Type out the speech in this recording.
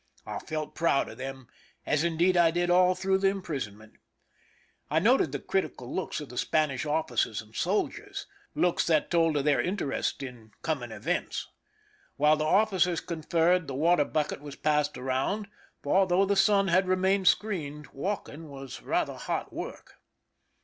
I felt proud of them, as indeed I did all through the imprisonment. I noted the critical looks of the Spanish officers and sol diers—looks that told of their interest in coming events. While the officers conferred, the water bucket was passed around ; for though the sun had remained screened, walking was rather hot work.